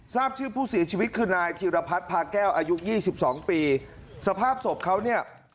ทราบชื่อผู้เสียชีวิตคือนายธีรพัฒน์พาแก้วอายุยี่สิบสองปีสภาพศพเขาเนี่ย